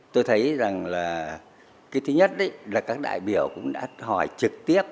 tôi thấy rằng là cái thứ nhất là các đại biểu cũng đã hỏi trực tiếp